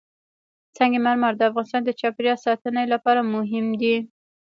سنگ مرمر د افغانستان د چاپیریال ساتنې لپاره مهم دي.